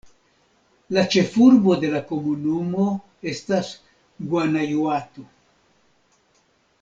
La ĉefurbo de la komunumo estas Guanajuato.